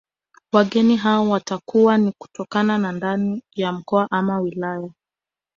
Wageni hao watakuwa ni kutokana ndani ya mkoa ama wilaya